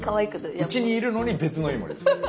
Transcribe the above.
うちにいるのに別のイモリです。